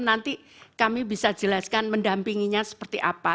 nanti kami bisa jelaskan mendampinginya seperti apa